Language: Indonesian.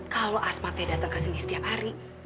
kalau asma teh datang ke sini setiap hari